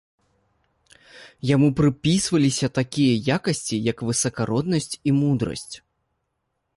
Яму прыпісваліся такія якасці, як высакароднасць і мудрасць.